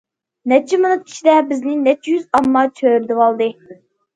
نەچچە مىنۇت ئىچىدە، بىزنى نەچچە يۈز ئامما چۆرىدىۋالدى.